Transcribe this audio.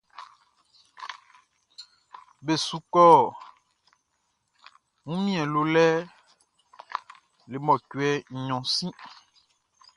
Be su kɔ wunmiɛn lolɛ le mɔcuɛ nɲɔn sin.